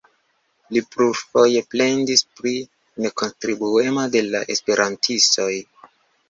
Li plurfoje plendis pri nekontribuemo de la esperantistoj.